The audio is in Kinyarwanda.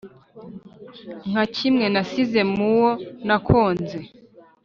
Nka kimwe nasize mu wo nakonze